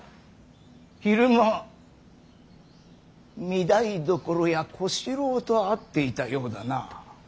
昼間御台所や小四郎と会っていたようだな。